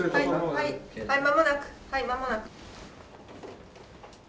はい間もなくはい間もなく。